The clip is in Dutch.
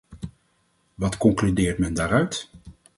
Wat concludeert men daaruit?